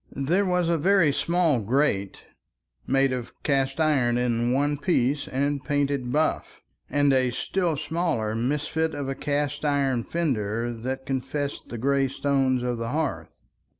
There was a very small grate, made of cast iron in one piece and painted buff, and a still smaller misfit of a cast iron fender that confessed the gray stone of the hearth.